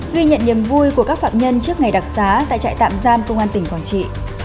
ghi nhận niềm vui của các phạm nhân trước ngày đặc xá tại trại tạm giam công an tỉnh quảng trị